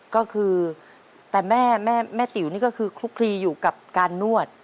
ก็คือแต่แม่ติ๋วนี่ก็คือคลุกคลีอยู่กับการนวด